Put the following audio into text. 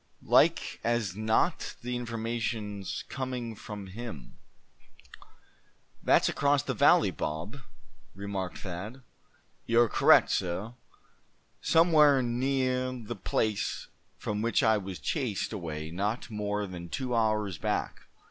Like as not the information's coming from him." "That's across the valley, Bob?" remarked Thad. "You're correct, suh; somewhere neah the place from which I was chased away not more than two hours back.